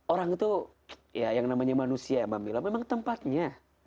orang itu yang namanya manusia memang tempatnya